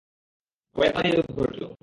কয়েকবারই এরূপ ঘটলো।